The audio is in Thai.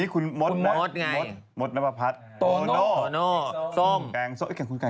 อียเอ็งจี้แบบไปกินอะไรกับเค้า